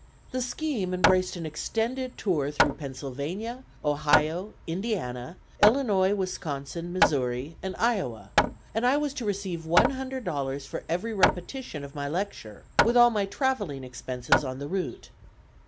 The scheme embraced an extended tour through Pennsylvania, Ohio, Indiana, Illinois, Wisconsin, Missouri and Iowa, and I was to receive one hundred dollars for every repetition of my lecture, with all my travelling expenses on the route.